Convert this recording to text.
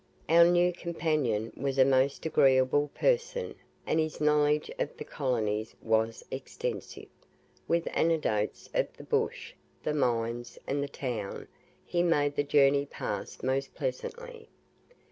Our new companion was a most agreeable person, and his knowledge of the colonies was extensive. With anecdotes of the bush, the mines, and the town, he made the journey pass most pleasantly.